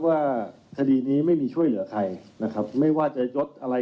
ว่าคดีนี้ไม่มีช่วยเหลือใครนะครับไม่ว่าจะยดอะไร